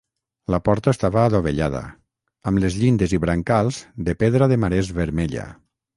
La porta estava adovellada, amb les llindes i brancals de pedra de marès vermella.